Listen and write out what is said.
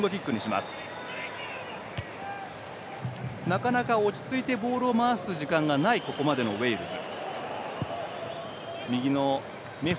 なかなか、落ち着いてボールを回す時間がないここまでのウェールズ。